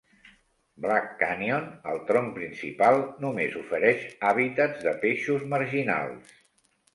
Black Canyon, al tronc principal, només ofereix hàbitats de peixos marginals.